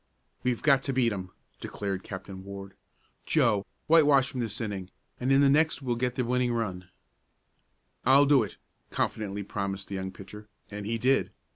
"We've got to beat 'em!" declared Captain Ward. "Joe, whitewash 'em this inning, and in the next we'll get the winning run." "I'll do it!" confidently promised the young pitcher, and he did.